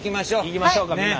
いきましょうかみんな。